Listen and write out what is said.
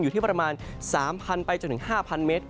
อยู่ที่ประมาณ๓๐๐ไปจนถึง๕๐๐เมตร